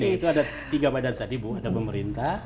itu ada tiga badan tadi bu ada pemerintah